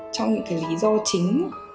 trong những cái lý do chính